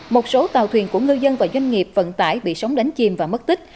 một số tàu thuyền của ngư dân và doanh nghiệp vận tải bị sóng đánh chìm và mất tích